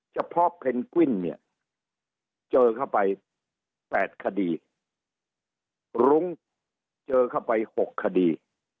เฉพาะเพนกวิ้นเนี่ยเจอเข้าไป๘คดีรุ้งเจอเข้าไป๖คดี